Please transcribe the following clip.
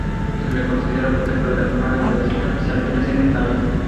Se lo considera protector de animales de la selva, especialmente sementales.